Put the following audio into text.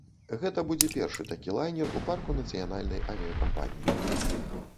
Гэта будзе першы такі лайнер у парку нацыянальнай авіякампаніі.